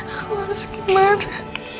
aku harus gimana